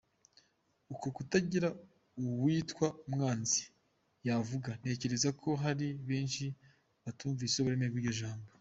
Uko kutagira uwitwa umwanzi yavuze, ntekeraza ko hari benshi batumvise uburemere bw’iryo jambo.